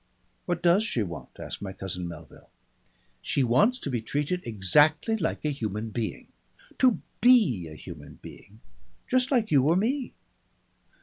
"What does she want?" asked my cousin Melville. "She wants to be treated exactly like a human being, to be a human being, just like you or me.